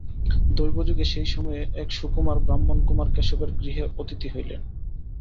দৈবযোগে সেই সময়ে এক সুকুমার ব্রাহ্মণকুমার কেশবের গৃহে অতিথি হইলেন।